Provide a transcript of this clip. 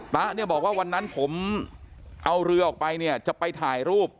๊ะเนี่ยบอกว่าวันนั้นผมเอาเรือออกไปเนี่ยจะไปถ่ายรูป